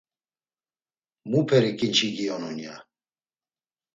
Muperi ǩinçi giyonun ya?